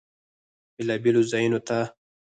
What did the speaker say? بیلابیلو ځایونو ته